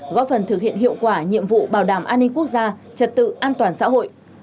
góp phần thực hiện hiệu quả nhiệm vụ bảo đảm an ninh quốc gia trật tự an toàn xã hội